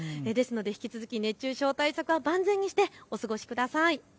引き続き熱中症対策は万全にしてお過ごしください。